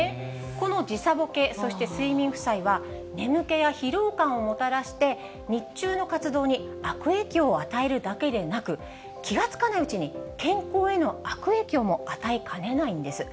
この時差ボケ、そして睡眠負債は、眠気や疲労感をもたらして、日中の活動に悪影響を与えるだけでなく、気が付かないうちに健康への悪影響も与えかねないんです。